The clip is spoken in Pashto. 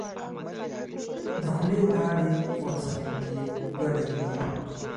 د خولې لاړې ورسره ګډوي.